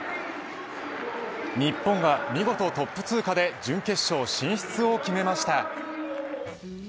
日本が見事トップ通過で準決勝進出を決めました。